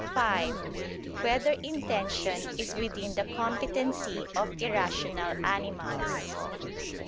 (5) Whether intention is within the competency of irrational animals?